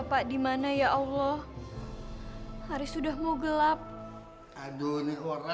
pak umar kurang uang ya